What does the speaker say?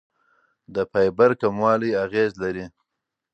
د فایبر کموالی اغېز لري.